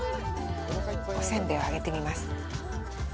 おせんべいをあげてみます。